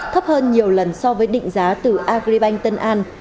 thấp hơn nhiều lần so với định giá từ agribank tân an